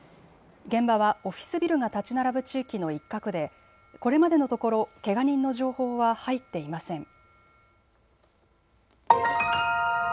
現場はオフィスビルが建ち並ぶ地域の一角でこれまでのところけが人の情報は入っていません。